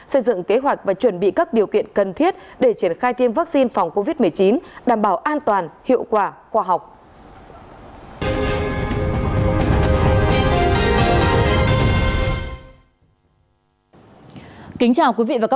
xây dựng kế hoạch và chuẩn bị các điều kiện cần thiết để triển khai tiêm vaccine phòng covid một mươi chín đảm bảo an toàn hiệu quả khoa học